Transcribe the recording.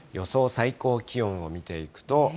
最高気温を見ていくと。